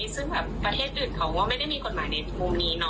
ซึ่งแบบประเทศอื่นเขาก็ไม่ได้มีกฎหมายในมุมนี้